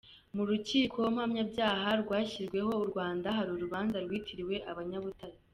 Mu rukiko mpanabyaha rwashyiriweho u Rwanda hari urubanza rwitiriwe abanyabutare.